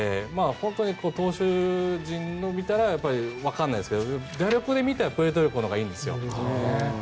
本当に投手陣を見たらわからないですが打力で見たらプエルトリコのほうがいいんですよ。